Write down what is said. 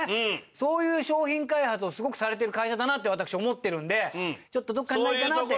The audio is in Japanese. そういう商品開発をすごくされてる会社だなって私思ってるんでちょっとどこかにないかなって。